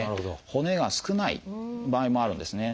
骨が少ない場合もあるんですね。